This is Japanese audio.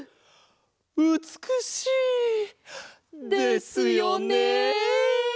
うつくしい！ですよね！